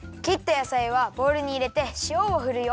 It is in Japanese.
やさいはボウルにいれてしおをふるよ。